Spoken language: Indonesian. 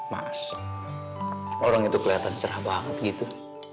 ma'asih orang itu keliatan cerah banget gitu